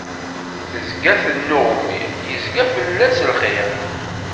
Tezga tennuɣni, yezga fell-as lxiq.